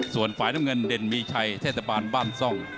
ส่วนฝ่ายน้ำเงินเด่นมีชัยเทศบาลบ้านซ่อง